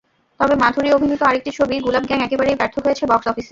তবে মাধুরী অভিনীত আরেকটি ছবি গুলাব গ্যাং একেবারেই ব্যর্থ হয়েছে বক্স অফিসে।